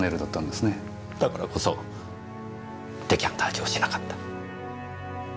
だからこそデカンタージュをしなかった。